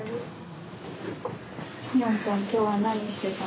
海音ちゃん今日は何してたの？